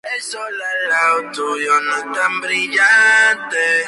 Nombra a este dios con la siguiente cita: "El pájaro rompe el cascarón.